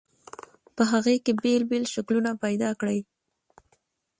په هغې کې بېل بېل شکلونه پیدا کړئ.